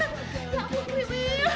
ya ampun kriwil